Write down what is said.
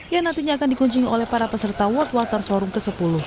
yang nantinya akan dikunjungi oleh para peserta world water forum ke sepuluh